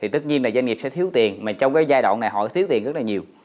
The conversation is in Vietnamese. tất nhiên là doanh nghiệp sẽ thiếu tiền mà trong cái giai đoạn này họ thiếu tiền rất là nhiều